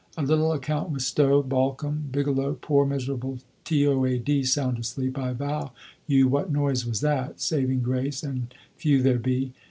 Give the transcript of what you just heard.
A little account with Stow Balcolm Bigelow poor, miserable t o a d (sound asleep). I vow you what noise was that? saving grace and few there be.